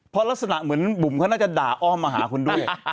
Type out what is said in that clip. เพราะลักษณะเหมือนบุ๋มเขาน่าจะด่าอ้อมมาหาคุณด้วย